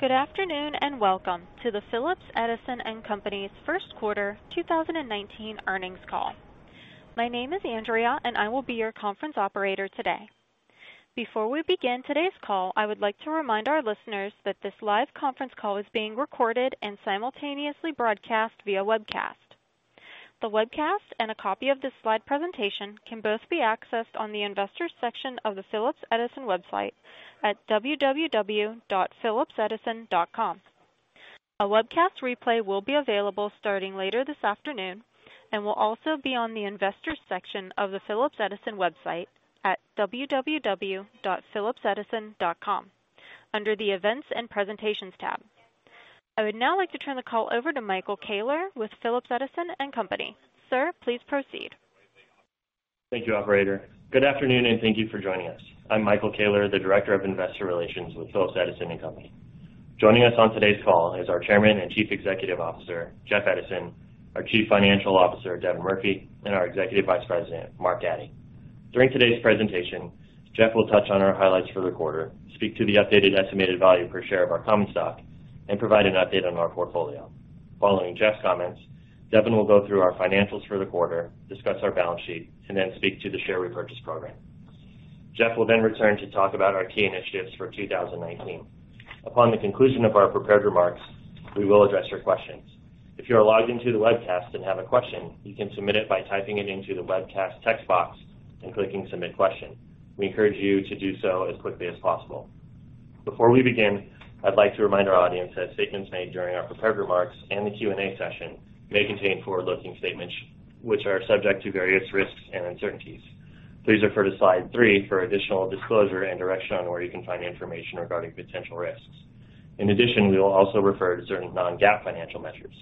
Good afternoon, and welcome to the Phillips Edison & Company's first quarter 2019 earnings call. My name is Andrea, and I will be your conference operator today. Before we begin today's call, I would like to remind our listeners that this live conference call is being recorded and simultaneously broadcast via webcast. The webcast and a copy of the slide presentation can both be accessed on the investors section of the Phillips Edison website at www.phillipsedison.com. A webcast replay will be available starting later this afternoon and will also be on the investors section of the Phillips Edison website at www.phillipsedison.com under the Events and Presentations tab. I would now like to turn the call over to Michael Koehler with Phillips Edison & Company. Sir, please proceed. Thank you, operator. Good afternoon, and thank you for joining us. I'm Michael Koehler, the Director of Investor Relations with Phillips Edison & Company. Joining us on today's call is our Chairman and Chief Executive Officer, Jeff Edison, our Chief Financial Officer, Devin Murphy, and our Executive Vice President, Mark Addy. During today's presentation, Jeff will touch on our highlights for the quarter, speak to the updated estimated value per share of our common stock, and provide an update on our portfolio. Following Jeff's comments, Devin will go through our financials for the quarter, discuss our balance sheet, and then speak to the share repurchase program. Jeff will then return to talk about our key initiatives for 2019. Upon the conclusion of our prepared remarks, we will address your questions. If you are logged into the webcast and have a question, you can submit it by typing it into the webcast text box and clicking Submit Question. We encourage you to do so as quickly as possible. Before we begin, I'd like to remind our audience that statements made during our prepared remarks and the Q&A session may contain forward-looking statements, which are subject to various risks and uncertainties. Please refer to slide three for additional disclosure and direction on where you can find information regarding potential risks. In addition, we will also refer to certain non-GAAP financial measures.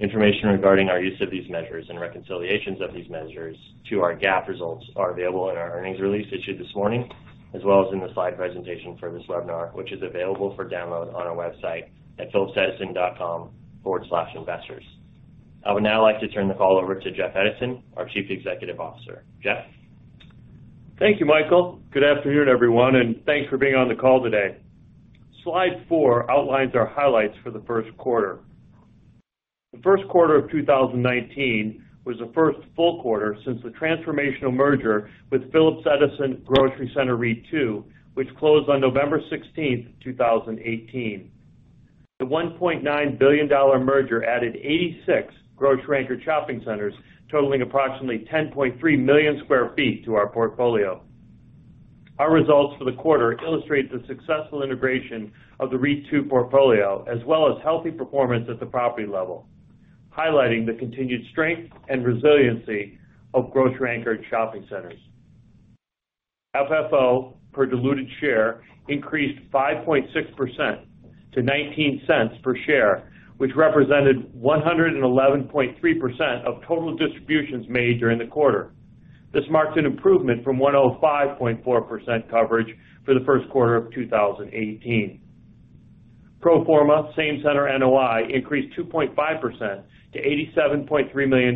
Information regarding our use of these measures and reconciliations of these measures to our GAAP results are available in our earnings release issued this morning, as well as in the slide presentation for this webinar, which is available for download on our website at www.phillipsedison.com/investors. I would now like to turn the call over to Jeff Edison, our Chief Executive Officer. Jeff? Thank you, Michael. Good afternoon, everyone, and thanks for being on the call today. Slide four outlines our highlights for the first quarter. The first quarter of 2019 was the first full quarter since the transformational merger with Phillips Edison Grocery Center REIT II, which closed on November 16th, 2018. The $1.9 billion merger added 86 grocery-anchored shopping centers, totaling approximately 10.3 million square feet to our portfolio. Our results for the quarter illustrate the successful integration of the REIT II portfolio, as well as healthy performance at the property level, highlighting the continued strength and resiliency of grocery-anchored shopping centers. FFO per diluted share increased 5.6% to $0.19 per share, which represented 111.3% of total distributions made during the quarter. This marks an improvement from 105.4% coverage for the first quarter of 2018. Pro forma same center NOI increased 2.5% to $87.3 million,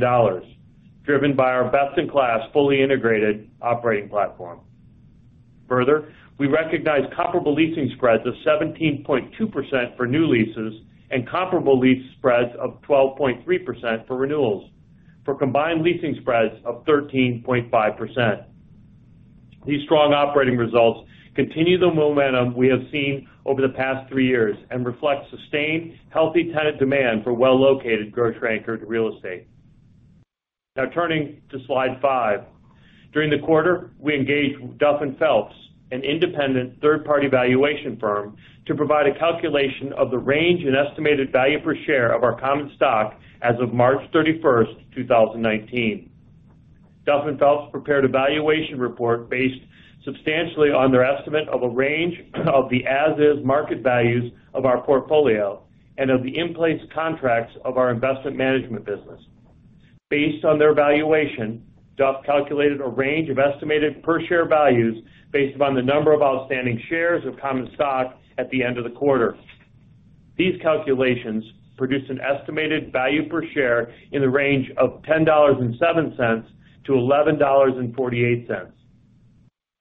driven by our best-in-class fully integrated operating platform. Further, we recognized comparable leasing spreads of 17.2% for new leases and comparable lease spreads of 12.3% for renewals, for combined leasing spreads of 13.5%. These strong operating results continue the momentum we have seen over the past three years and reflect sustained, healthy tenant demand for well-located grocery-anchored real estate. Turning to slide five. During the quarter, we engaged Duff & Phelps, an independent third-party valuation firm, to provide a calculation of the range and estimated value per share of our common stock as of March 31st, 2019. Duff & Phelps prepared a valuation report based substantially on their estimate of a range of the as-is market values of our portfolio and of the in-place contracts of our investment management business. Based on their valuation, Duff calculated a range of estimated per share values based upon the number of outstanding shares of common stock at the end of the quarter. These calculations produced an estimated value per share in the range of $10.07-$11.48.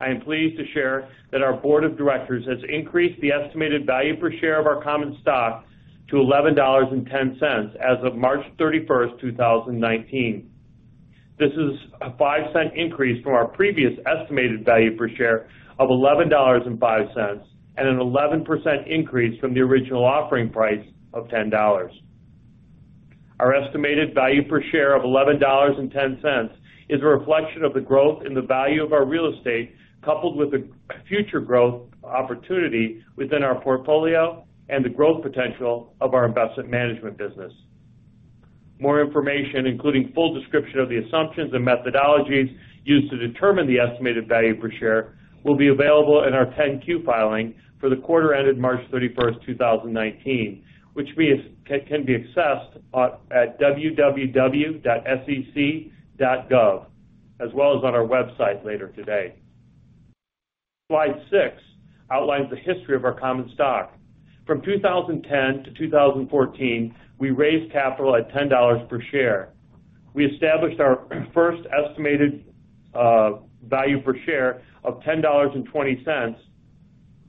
I am pleased to share that our board of directors has increased the estimated value per share of our common stock to $11.10 as of March 31st, 2019. This is a $0.05 increase from our previous estimated value per share of $11.05 and an 11% increase from the original offering price of $10. Our estimated value per share of $11.10 is a reflection of the growth in the value of our real estate, coupled with the future growth opportunity within our portfolio and the growth potential of our investment management business. More information, including full description of the assumptions and methodologies used to determine the estimated value per share, will be available in our 10-Q filing for the quarter ended March 31st, 2019, which can be accessed at www.sec.gov, as well as on our website later today. Slide six outlines the history of our common stock. From 2010 to 2014, we raised capital at $10 per share. We established our first estimated value per share of $10.20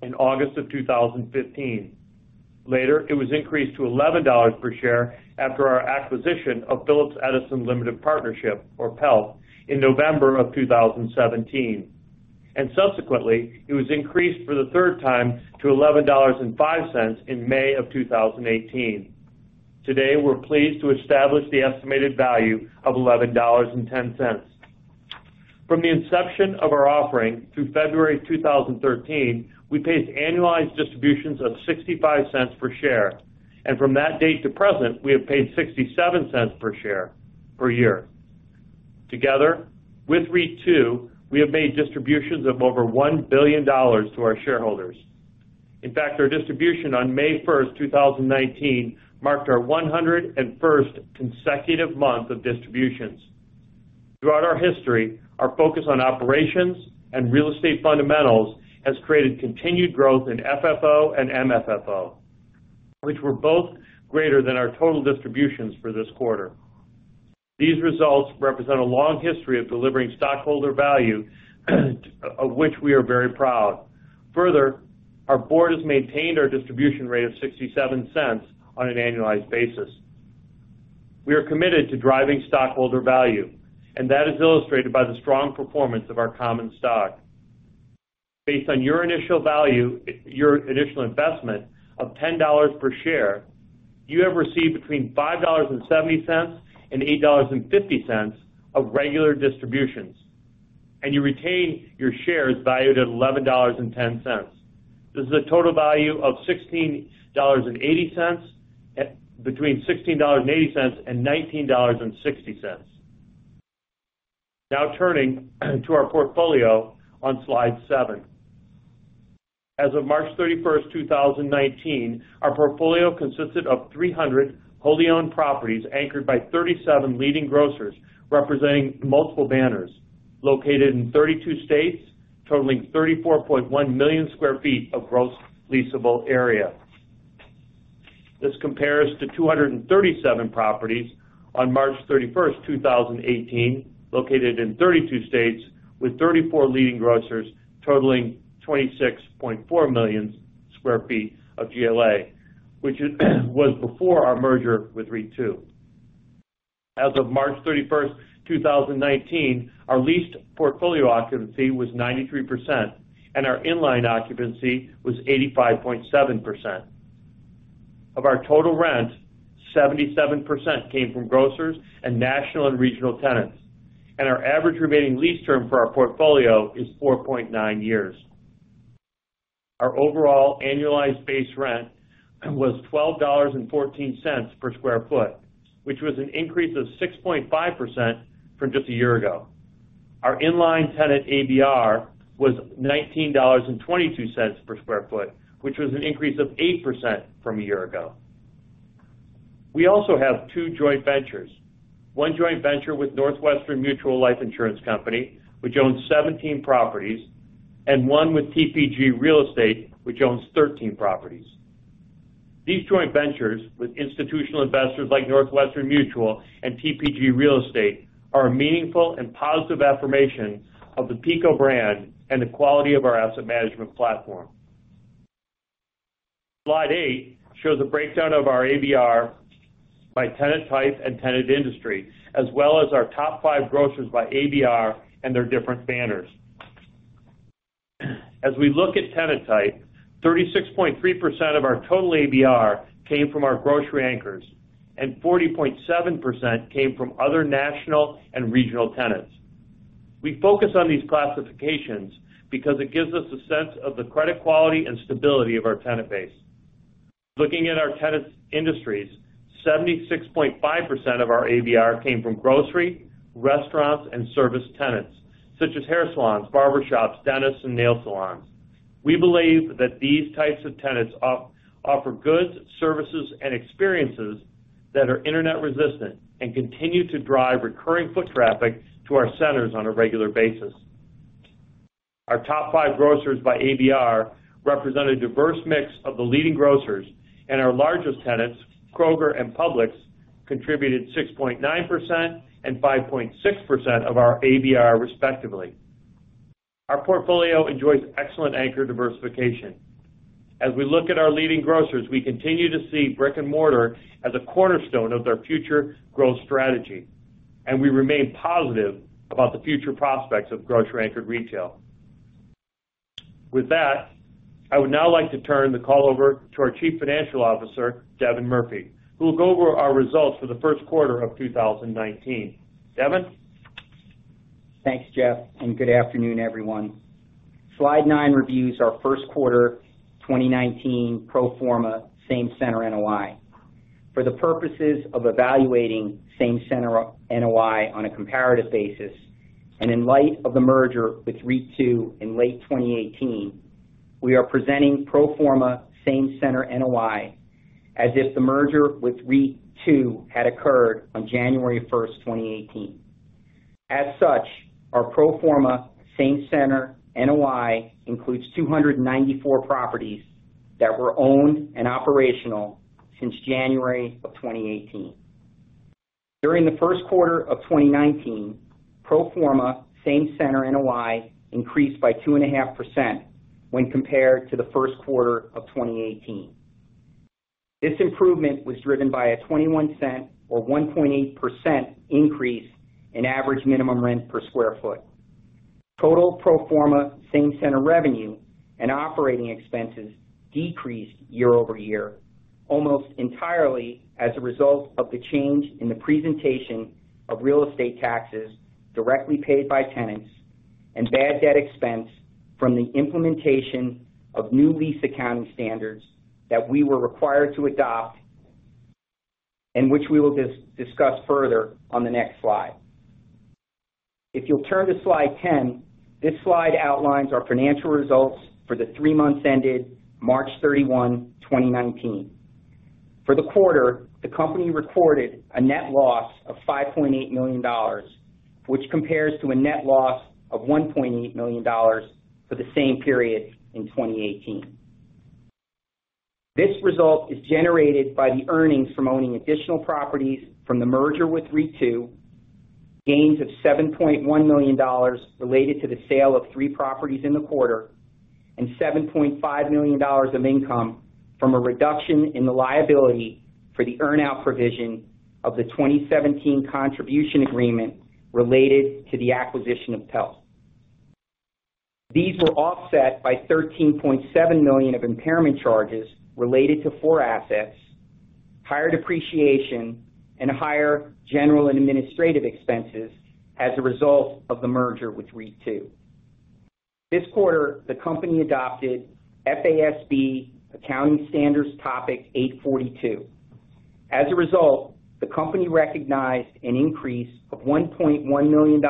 in August of 2015. Later, it was increased to $11 per share after our acquisition of Phillips Edison Limited Partnership, or PELP, in November of 2017. Subsequently, it was increased for the third time to $11.05 in May of 2018. Today, we're pleased to establish the estimated value of $11.10. From the inception of our offering through February 2013, we paid annualized distributions of $0.65 per share. From that date to present, we have paid $0.67 per share per year. Together with REIT II, we have made distributions of over $1 billion to our shareholders. In fact, our distribution on May 1st, 2019, marked our 101st consecutive month of distributions. Throughout our history, our focus on operations and real estate fundamentals has created continued growth in FFO and MFFO, which were both greater than our total distributions for this quarter. These results represent a long history of delivering stockholder value of which we are very proud. Further, our board has maintained our distribution rate of $0.67 on an annualized basis. We are committed to driving stockholder value, that is illustrated by the strong performance of our common stock. Based on your initial investment of $10 per share, you have received between $5.70 and $8.50 of regular distributions, you retain your shares valued at $11.10. This is a total value between $16.80 and $19.60. Turning to our portfolio on slide seven. As of March 31st, 2019, our portfolio consisted of 300 wholly owned properties anchored by 37 leading grocers, representing multiple banners located in 32 states, totaling 34.1 million square feet of gross leasable area. This compares to 237 properties on March 31st, 2018, located in 32 states with 34 leading grocers, totaling 26.4 million square feet of GLA, which was before our merger with REIT II. As of March 31st, 2019, our leased portfolio occupancy was 93%, and our in-line occupancy was 85.7%. Of our total rent, 77% came from grocers and national and regional tenants, our average remaining lease term for our portfolio is 4.9 years. Our overall annualized base rent was $12.14 per square foot, which was an increase of 6.5% from just a year ago. Our in-line tenant ABR was $19.22 per square foot, which was an increase of 8% from a year ago. We also have two joint ventures, one joint venture with The Northwestern Mutual Life Insurance Company, which owns 17 properties, one with TPG Real Estate, which owns 13 properties. These joint ventures with institutional investors like Northwestern Mutual and TPG Real Estate are a meaningful and positive affirmation of the PECO brand and the quality of our asset management platform. Slide eight shows a breakdown of our ABR by tenant type and tenant industry, as well as our top five grocers by ABR and their different banners. We look at tenant type, 36.3% of our total ABR came from our grocery anchors, 40.7% came from other national and regional tenants. We focus on these classifications because it gives us a sense of the credit quality and stability of our tenant base. Looking at our tenants' industries, 76.5% of our ABR came from grocery, restaurants, and service tenants, such as hair salons, barber shops, dentists, and nail salons. We believe that these types of tenants offer goods, services, and experiences that are internet-resistant and continue to drive recurring foot traffic to our centers on a regular basis. Our top five grocers by ABR represent a diverse mix of the leading grocers, and our largest tenants, Kroger and Publix, contributed 6.9% and 5.6% of our ABR respectively. Our portfolio enjoys excellent anchor diversification. As we look at our leading grocers, we continue to see brick-and-mortar as a cornerstone of their future growth strategy, and we remain positive about the future prospects of grocery-anchored retail. With that, I would now like to turn the call over to our Chief Financial Officer, Devin Murphy, who will go over our results for the first quarter of 2019. Devin? Thanks, Jeff. Good afternoon, everyone. Slide nine reviews our first quarter 2019 pro forma same-center NOI. For the purposes of evaluating same-center NOI on a comparative basis, in light of the merger with REIT II in late 2018, we are presenting pro forma same-center NOI as if the merger with REIT II had occurred on January 1st, 2018. As such, our pro forma same-center NOI includes 294 properties that were owned and operational since January of 2018. During the first quarter of 2019, pro forma same-center NOI increased by 2.5% when compared to the first quarter of 2018. This improvement was driven by a $0.21 or 1.8% increase in average minimum rent per sq ft. Total pro forma same-center revenue and operating expenses decreased year-over-year almost entirely as a result of the change in the presentation of real estate taxes directly paid by tenants and bad debt expense from the implementation of new lease accounting standards that we were required to adopt and which we will discuss further on the next slide. If you'll turn to slide 10, this slide outlines our financial results for the three months ended March 31, 2019. For the quarter, the company recorded a net loss of $5.8 million, which compares to a net loss of $1.8 million for the same period in 2018. This result is generated by the earnings from owning additional properties from the merger with REIT II, gains of $7.1 million related to the sale of three properties in the quarter, and $7.5 million of income from a reduction in the liability for the earn-out provision of the 2017 contribution agreement related to the acquisition of PELP. These were offset by $13.7 million of impairment charges related to four assets, higher depreciation, and higher general and administrative expenses as a result of the merger with REIT II. This quarter, the company adopted FASB accounting standards topic 842. As a result, the company recognized an increase of $1.1 million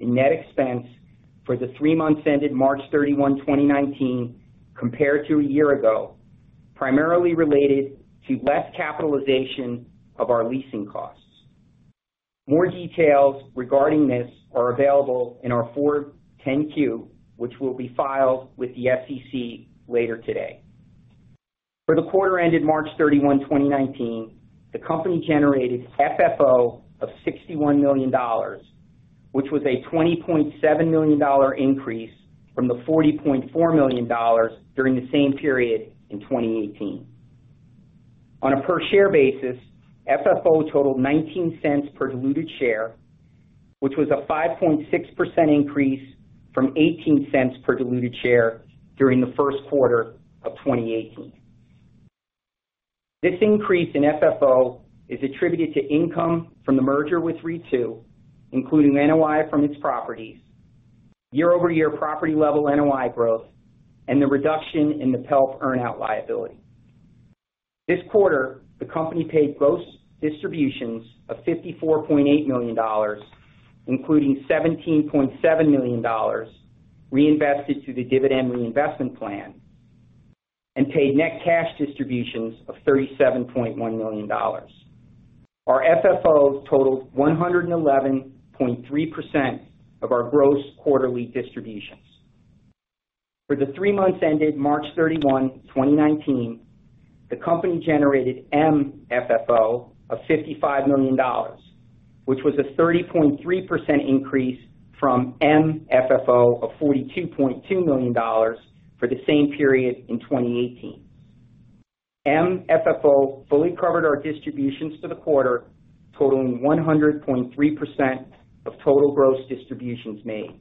in net expense for the three months ended March 31, 2019, compared to a year ago, primarily related to less capitalization of our leasing costs. More details regarding this are available in our 10-Q, which will be filed with the SEC later today. For the quarter ended March 31, 2019, the company generated FFO of $61 million, which was a $20.7 million increase from the $40.4 million during the same period in 2018. On a per-share basis, FFO totaled $0.19 per diluted share, which was a 5.6% increase from $0.18 per diluted share during the first quarter of 2018. This increase in FFO is attributed to income from the merger with REIT II, including NOI from its properties, year-over-year property-level NOI growth, and the reduction in the PELP earn-out liability. This quarter, the company paid gross distributions of $54.8 million, including $17.7 million reinvested to the dividend reinvestment plan and paid net cash distributions of $37.1 million. Our FFO totaled 111.3% of our gross quarterly distributions. For the three months ended March 31, 2019, the company generated MFFO of $55 million, which was a 30.3% increase from MFFO of $42.2 million for the same period in 2018. MFFO fully covered our distributions for the quarter, totaling 100.3% of total gross distributions made.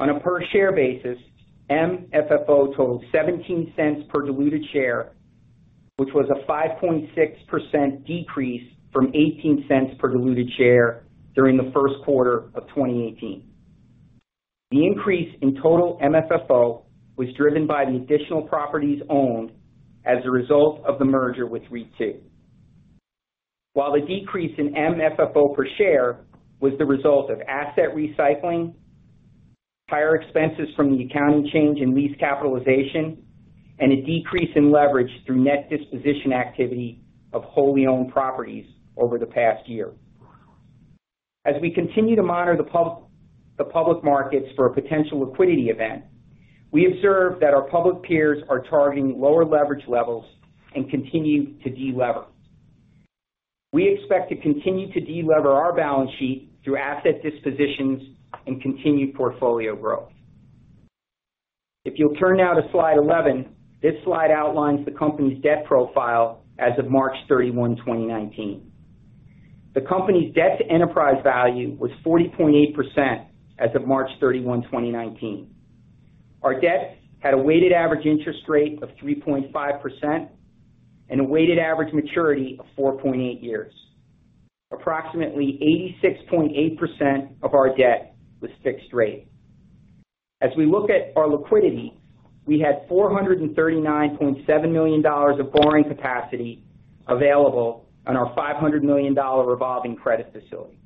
On a per-share basis, MFFO totaled $0.17 per diluted share, which was a 5.6% decrease from $0.18 per diluted share during the first quarter of 2018. The increase in total MFFO was driven by the additional properties owned as a result of the merger with REIT II. While the decrease in MFFO per share was the result of asset recycling, higher expenses from the accounting change in lease capitalization, and a decrease in leverage through net disposition activity of wholly owned properties over the past year. As we continue to monitor the public markets for a potential liquidity event, we observe that our public peers are targeting lower leverage levels and continue to de-lever. We expect to continue to de-lever our balance sheet through asset dispositions and continued portfolio growth. If you'll turn now to slide 11, this slide outlines the company's debt profile as of March 31, 2019. The company's debt-to-enterprise value was 40.8% as of March 31, 2019. Our debt had a weighted average interest rate of 3.5% and a weighted average maturity of 4.8 years. Approximately 86.8% of our debt was fixed rate. As we look at our liquidity, we had $439.7 million of borrowing capacity available on our $500 million revolving credit facility.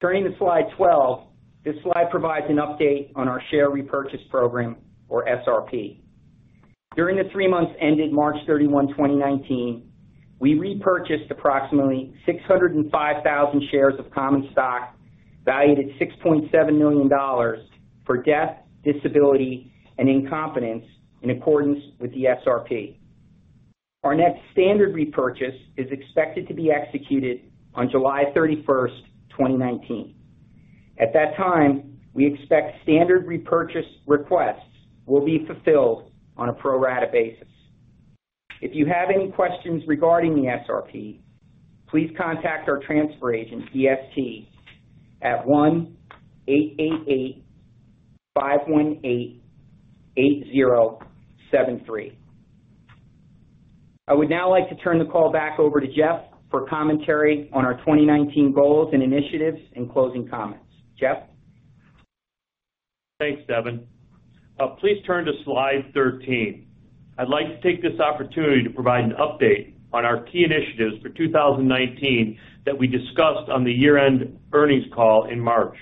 Turning to slide 12. This slide provides an update on our share repurchase program, or SRP. During the three months ended March 31, 2019, we repurchased approximately 605,000 shares of common stock valued at $6.7 million for death, disability, and incompetence in accordance with the SRP. Our next standard repurchase is expected to be executed on July 31st, 2019. At that time, we expect standard repurchase requests will be fulfilled on a pro rata basis. If you have any questions regarding the SRP, please contact our transfer agent, DST, at 1-888-518-8073. I would now like to turn the call back over to Jeff for commentary on our 2019 goals and initiatives and closing comments. Jeff? Thanks, Devin. Please turn to slide 13. I'd like to take this opportunity to provide an update on our key initiatives for 2019 that we discussed on the year-end earnings call in March.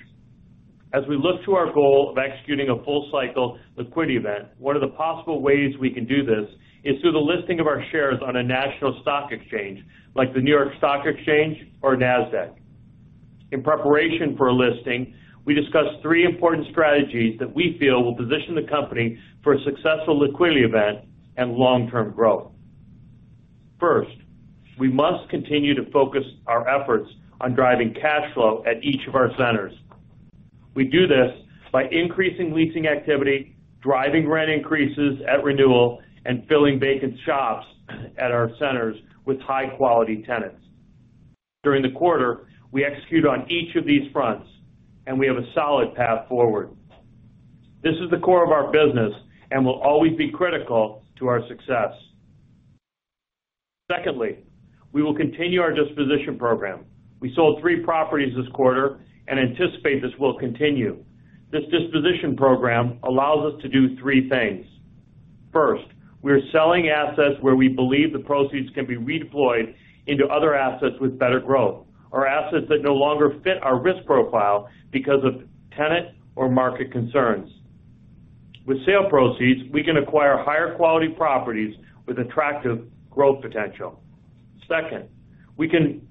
As we look to our goal of executing a full-cycle liquidity event, one of the possible ways we can do this is through the listing of our shares on a national stock exchange like the New York Stock Exchange or Nasdaq. In preparation for a listing, we discussed three important strategies that we feel will position the company for a successful liquidity event and long-term growth. First, we must continue to focus our efforts on driving cash flow at each of our centers. We do this by increasing leasing activity, driving rent increases at renewal, and filling vacant shops at our centers with high-quality tenants. During the quarter, we execute on each of these fronts, and we have a solid path forward. This is the core of our business and will always be critical to our success. Secondly, we will continue our disposition program. We sold three properties this quarter and anticipate this will continue. This disposition program allows us to do three things. First, we are selling assets where we believe the proceeds can be redeployed into other assets with better growth or assets that no longer fit our risk profile because of tenant or market concerns. With sale proceeds, we can acquire higher-quality properties with attractive growth potential. Second, we can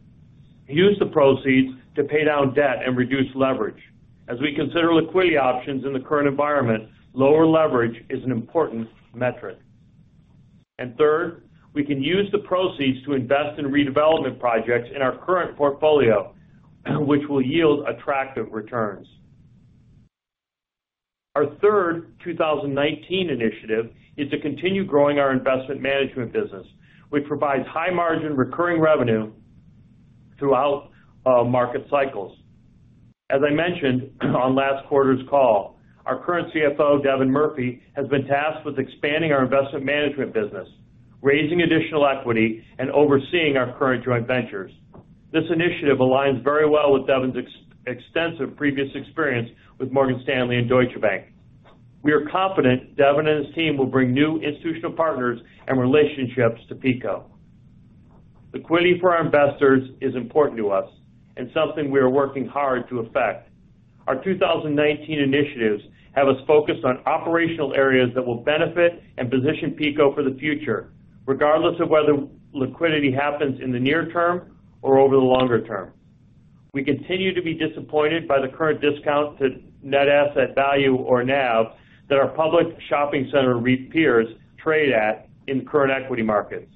use the proceeds to pay down debt and reduce leverage. As we consider liquidity options in the current environment, lower leverage is an important metric. Third, we can use the proceeds to invest in redevelopment projects in our current portfolio, which will yield attractive returns. Our third 2019 initiative is to continue growing our investment management business, which provides high margin recurring revenue throughout market cycles. As I mentioned on last quarter's call, our current CFO, Devin Murphy, has been tasked with expanding our investment management business, raising additional equity, and overseeing our current joint ventures. This initiative aligns very well with Devin's extensive previous experience with Morgan Stanley and Deutsche Bank. We are confident Devin and his team will bring new institutional partners and relationships to PECO. Liquidity for our investors is important to us and something we are working hard to effect. Our 2019 initiatives have us focused on operational areas that will benefit and position PECO for the future, regardless of whether liquidity happens in the near term or over the longer term. We continue to be disappointed by the current discount to net asset value or NAV that our public shopping center REIT peers trade at in current equity markets.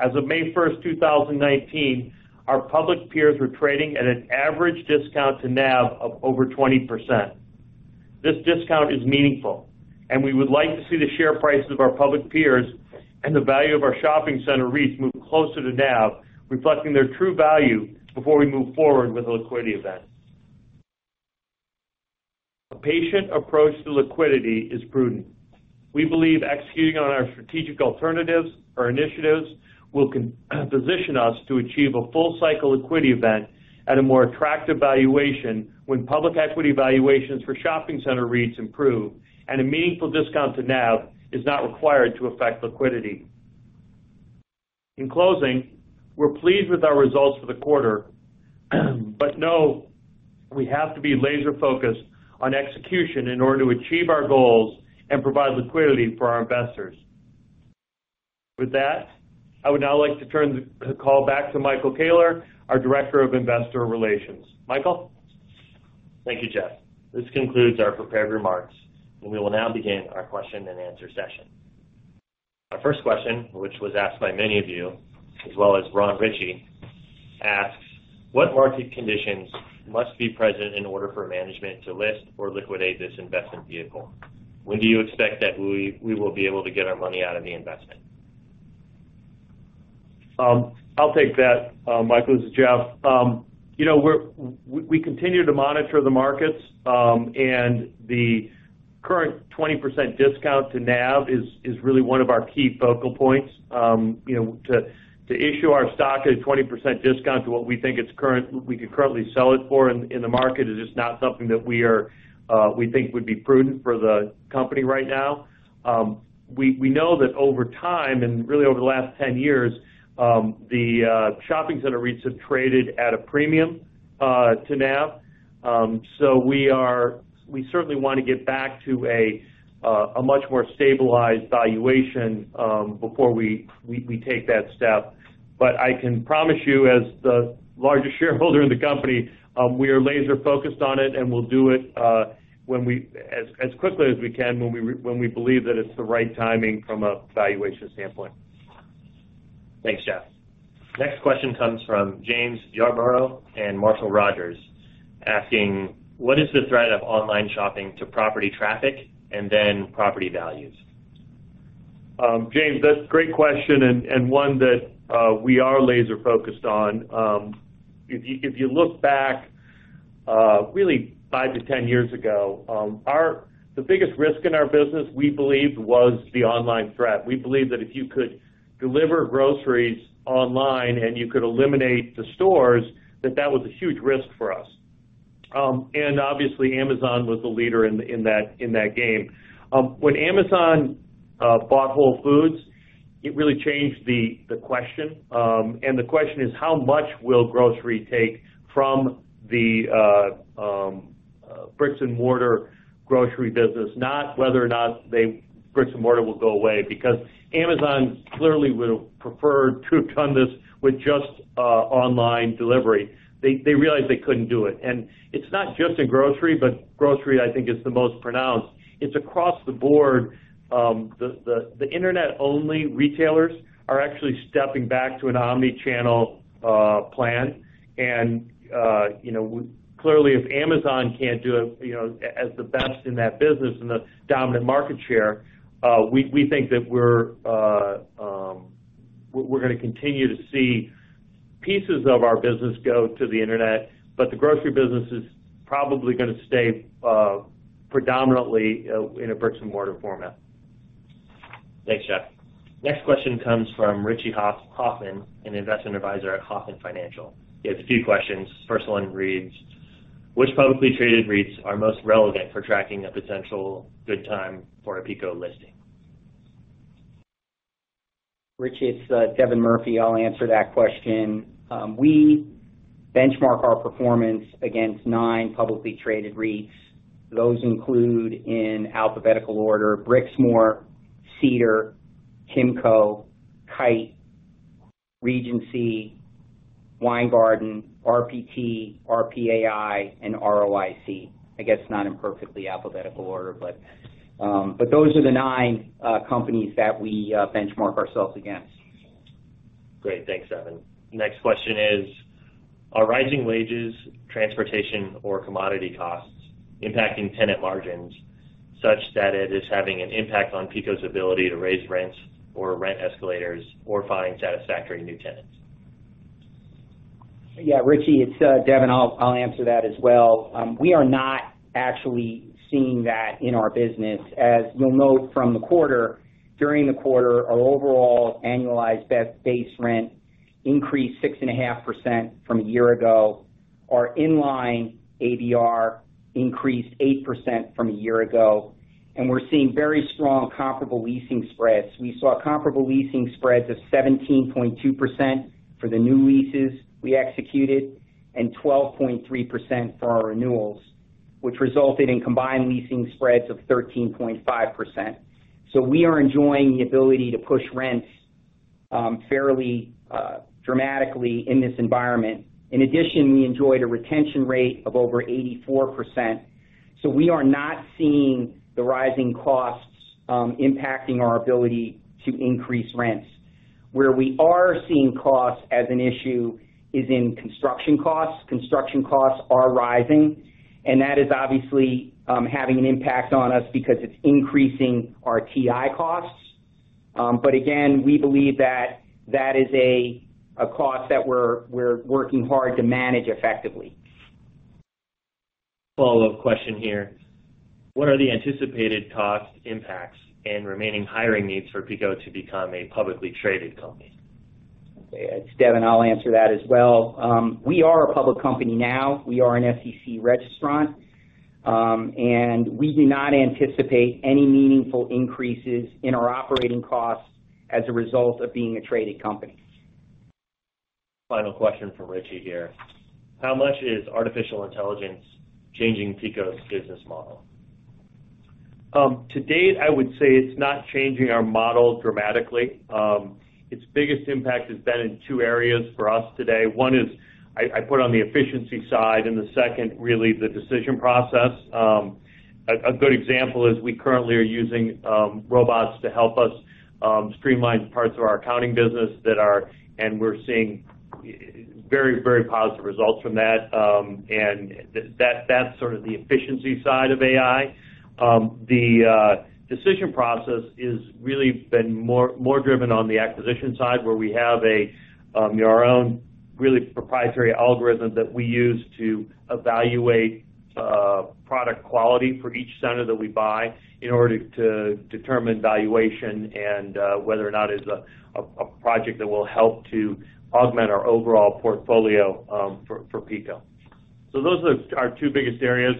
As of May 1st, 2019, our public peers were trading at an average discount to NAV of over 20%. This discount is meaningful, and we would like to see the share prices of our public peers and the value of our shopping center REITs move closer to NAV, reflecting their true value before we move forward with a liquidity event. A patient approach to liquidity is prudent. We believe executing on our strategic alternatives or initiatives will position us to achieve a full-cycle liquidity event at a more attractive valuation when public equity valuations for shopping center REITs improve and a meaningful discount to NAV is not required to affect liquidity. In closing, we're pleased with our results for the quarter, but know we have to be laser-focused on execution in order to achieve our goals and provide liquidity for our investors. With that, I would now like to turn the call back to Michael Koehler, our Director of Investor Relations. Michael? Thank you, Jeff. This concludes our prepared remarks. We will now begin our question and answer session. Our first question, which was asked by many of you, as well as [Ron Ritchie], asks, what market conditions must be present in order for management to list or liquidate this investment vehicle? When do you expect that we will be able to get our money out of the investment? I'll take that. Michael, this is Jeff. We continue to monitor the markets. The current 20% discount to NAV is really one of our key focal points. To issue our stock at a 20% discount to what we think we could currently sell it for in the market is just not something that we think would be prudent for the company right now. We know that over time and really over the last 10 years, the shopping center REITs have traded at a premium to NAV. We certainly want to get back to a much more stabilized valuation before we take that step. I can promise you, as the largest shareholder in the company, we are laser-focused on it, and we'll do it as quickly as we can when we believe that it's the right timing from a valuation standpoint. Thanks, Jeff. Next question comes from [James Yarborough] and Marshall Rogers, asking, "What is the threat of online shopping to property traffic and then property values? James, that's a great question and one that we are laser-focused on. If you look back really five to 10 years ago, the biggest risk in our business, we believed, was the online threat. We believed that if you could deliver groceries online and you could eliminate the stores, that that was a huge risk for us. Obviously, Amazon was the leader in that game. When Amazon bought Whole Foods, it really changed the question. The question is how much will grocery take from the bricks and mortar grocery business, not whether or not the bricks and mortar will go away, because Amazon clearly would have preferred to have done this with just online delivery. They realized they couldn't do it. It's not just in grocery, but grocery, I think, is the most pronounced. It's across the board. The internet-only retailers are actually stepping back to an omni-channel plan. Clearly if Amazon can't do it, as the best in that business and the dominant market share, we think that we're going to continue to see pieces of our business go to the internet, but the grocery business is probably going to stay predominantly in a bricks and mortar format. Thanks, Jeff. Next question comes from Ritchie Hoffman, an investment advisor at Hoffman Financial. He has a few questions. First one reads, "Which publicly traded REITs are most relevant for tracking a potential good time for a PECO listing? Richie, it's Devin Murphy. I'll answer that question. We benchmark our performance against nine publicly traded REITs. Those include, in alphabetical order, Brixmor, Cedar, Kimco, Kite, Regency, Weingarten, RPT, RPAI, and ROIC. I guess not in perfectly alphabetical order, but those are the nine companies that we benchmark ourselves against. Great. Thanks, Devin. Next question is: Are rising wages, transportation, or commodity costs impacting tenant margins such that it is having an impact on PECO's ability to raise rents or rent escalators or find satisfactory new tenants? Yeah, Richie, it's Devin. I'll answer that as well. We are not actually seeing that in our business. As you'll note from the quarter, during the quarter, our overall annualized base rent increased 6.5% from a year ago. Our in-line ABR increased 8% from a year ago. We're seeing very strong comparable leasing spreads. We saw comparable leasing spreads of 17.2% for the new leases we executed and 12.3% for our renewals, which resulted in combined leasing spreads of 13.5%. We are enjoying the ability to push rents fairly dramatically in this environment. In addition, we enjoyed a retention rate of over 84%. We are not seeing the rising costs impacting our ability to increase rents. Where we are seeing costs as an issue is in construction costs. Construction costs are rising, and that is obviously having an impact on us because it's increasing our TI costs. Again, we believe that that is a cost that we're working hard to manage effectively. Follow-up question here. What are the anticipated cost impacts and remaining hiring needs for PECO to become a publicly traded company? Okay. It's Devin. I'll answer that as well. We are a public company now. We are an SEC registrant. We do not anticipate any meaningful increases in our operating costs as a result of being a traded company. Final question from Richie here. How much is artificial intelligence changing PECO's business model? To date, I would say it's not changing our model dramatically. Its biggest impact has been in two areas for us today. One is, I put on the efficiency side, and the second, really the decision process. A good example is we currently are using robots to help us streamline parts of our accounting business. We're seeing very positive results from that. That's sort of the efficiency side of AI. The decision process is really been more driven on the acquisition side, where we have our own really proprietary algorithm that we use to evaluate product quality for each center that we buy in order to determine valuation and whether or not it's a project that will help to augment our overall portfolio for PECO. Those are our two biggest areas.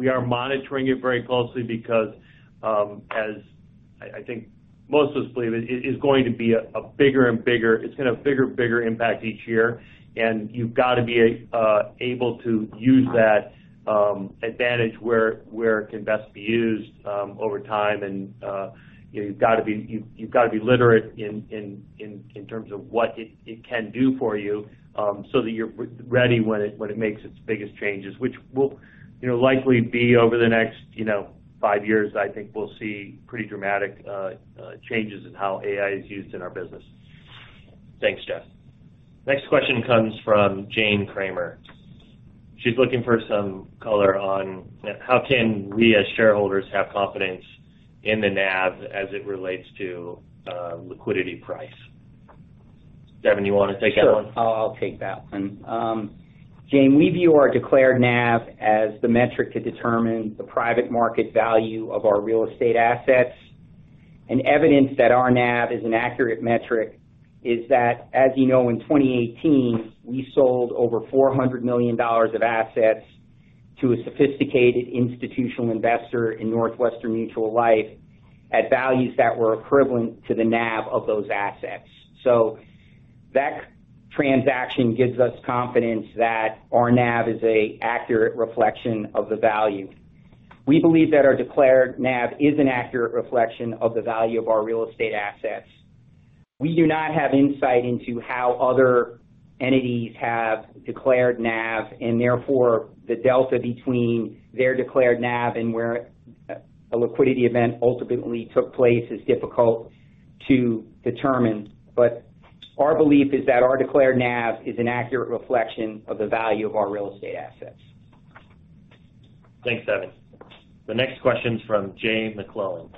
We are monitoring it very closely because as I think most of us believe, it's going to have bigger impact each year. You've got to be able to use that advantage where it can best be used over time. You've got to be literate in terms of what it can do for you so that you're ready when it makes its biggest changes, which will likely be over the next five years. I think we'll see pretty dramatic changes in how AI is used in our business. Thanks, Jeff. Next question comes from Jane Kramer. She's looking for some color on how can we, as shareholders, have confidence in the NAV as it relates to liquidity price. Devin, you want to take that one? Sure. I'll take that one. Jane, we view our declared NAV as the metric to determine the private market value of our real estate assets. Evidence that our NAV is an accurate metric is that, as you know, in 2018, we sold over $400 million of assets to a sophisticated institutional investor in Northwestern Mutual Life at values that were equivalent to the NAV of those assets. That transaction gives us confidence that our NAV is a accurate reflection of the value. We believe that our declared NAV is an accurate reflection of the value of our real estate assets. We do not have insight into how other entities have declared NAV, and therefore, the delta between their declared NAV and where a liquidity event ultimately took place is difficult to determine. Our belief is that our declared NAV is an accurate reflection of the value of our real estate assets. Thanks, Devin. The next question comes from [Jay McClellan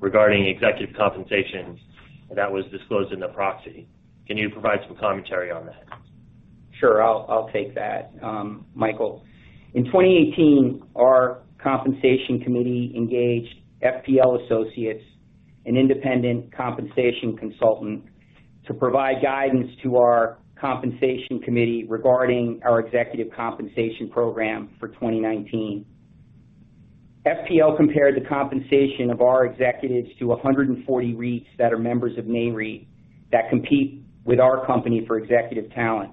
regarding executive compensation that was disclosed in the proxy. Can you provide some commentary on that? Sure. I'll take that, Michael. In 2018, our compensation committee engaged FPL Associates, an independent compensation consultant, to provide guidance to our compensation committee regarding our executive compensation program for 2019. FPL compared the compensation of our executives to 140 REITs that are members of NAREIT that compete with our company for executive talent.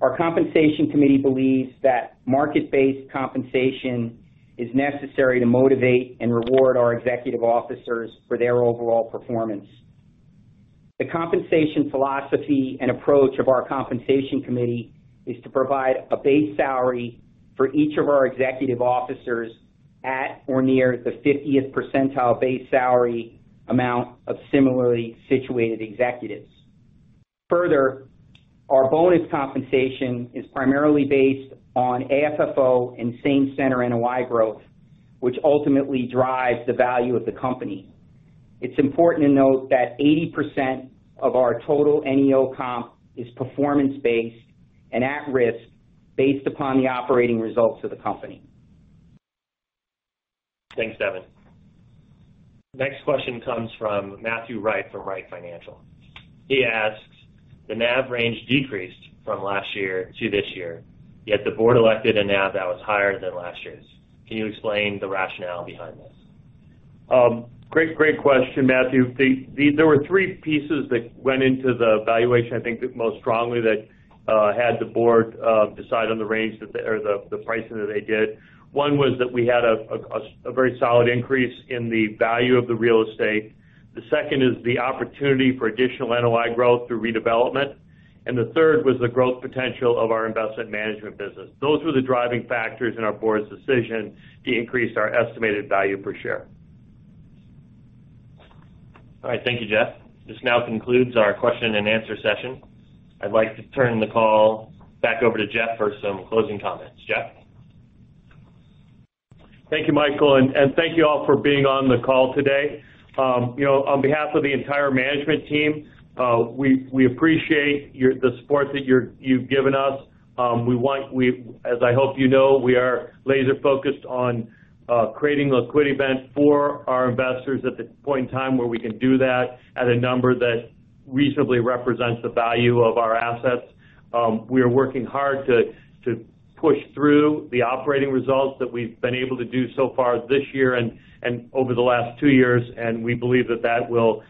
Our compensation committee believes that market-based compensation is necessary to motivate and reward our executive officers for their overall performance. The compensation philosophy and approach of our compensation committee is to provide a base salary for each of our executive officers at or near the 50th percentile base salary amount of similarly situated executives. Further, our bonus compensation is primarily based on AFFO and same center NOI growth, which ultimately drives the value of the company. It's important to note that 80% of our total NEO comp is performance-based and at-risk based upon the operating results of the company. Thanks, Devin. Next question comes from Matthew Wright from Wright Financial. He asks, "The NAV range decreased from last year to this year, yet the board elected a NAV that was higher than last year's. Can you explain the rationale behind this? Great question, Matthew. There were three pieces that went into the valuation, I think, most strongly that had the board decide on the range or the pricing that they did. One was that we had a very solid increase in the value of the real estate. The second is the opportunity for additional NOI growth through redevelopment. The third was the growth potential of our investment management business. Those were the driving factors in our board's decision to increase our estimated value per share. All right. Thank you, Jeff. This now concludes our question and answer session. I'd like to turn the call back over to Jeff for some closing comments. Jeff? Thank you, Michael, and thank you all for being on the call today. On behalf of the entire management team, we appreciate the support that you've given us. As I hope you know, we are laser-focused on creating a liquid event for our investors at the point in time where we can do that at a number that reasonably represents the value of our assets. We are working hard to push through the operating results that we've been able to do so far this year and over the last two years, and we believe that that will,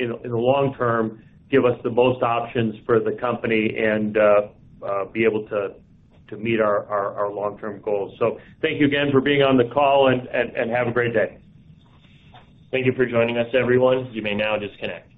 in the long term, give us the most options for the company and be able to meet our long-term goals. Thank you again for being on the call, and have a great day. Thank you for joining us, everyone. You may now disconnect.